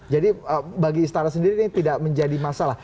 jadi bagi istana sendiri ini tidak menjadi masalah